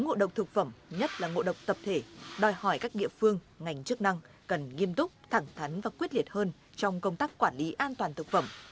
các ngộ độc thực phẩm nhất là ngộ độc tập thể đòi hỏi các địa phương ngành chức năng cần nghiêm túc thẳng thắn và quyết liệt hơn trong công tác quản lý an toàn thực phẩm